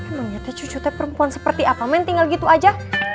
emang nyatanya cucu teh perempuan seperti apa men tinggal gitu aja